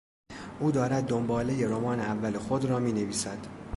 او دارد دنبالهی رمان اول خود را مینویسد.